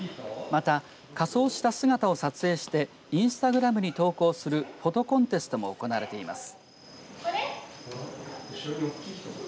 また、仮装した姿を撮影してインスタグラムに投稿するフォトコンテストも行われています。